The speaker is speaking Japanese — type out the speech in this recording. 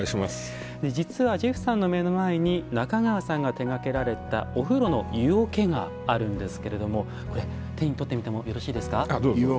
実は、ジェフさんの目の前に中川さんが手がけられたお風呂の湯桶があるんですが手に取ってみてもよろしいですか。